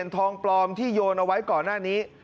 ทองปลอมที่โยนเอาไว้ก่อนหน้านี้